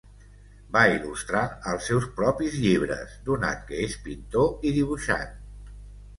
Va il·lustrar els seus propis llibres, donat que és pintor i dibuixant.